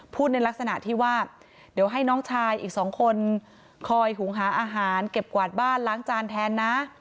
ในลักษณะที่ว่าเดี๋ยวให้น้องชายอีกสองคนคอยหุงหาอาหารเก็บกวาดบ้านล้างจานแทนนะ